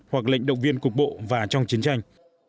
hoặc lệnh động viên cục bộ và trong chiến tranh